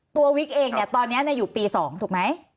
วิกเองเนี่ยตอนนี้อยู่ปี๒ถูกไหม